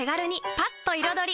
パッと彩り！